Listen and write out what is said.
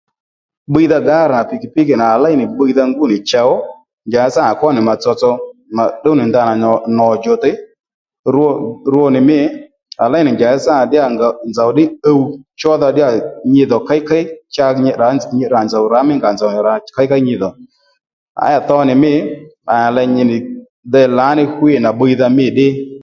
Bbiydha gǎr nà pìkìpíkì nà léy nì bbiydha ngú nì chow njàddí sâ nà à kwá nì mà tsotso mà tdúw nì ndanà nò djùwtey rwo rwo nì mî à ley nì njàddí sǎ nà nzòw ddí uw chódha nyidhò kéykéy cha nyi tdrà nzòw rǎ mí nga ò nzòw nì rǎ kéykéy nyi dhò tho nì mî à nì ley nyi nì dey hwî nà bbiydha mî ddí